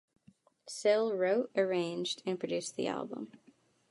Sill wrote, arranged, and produced the album.